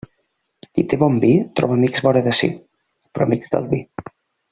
Qui té bon vi troba amics vora de si, però amics del vi.